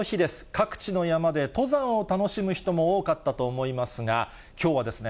各地の山で登山を楽しむ人も多かったと思いますが、きょうはです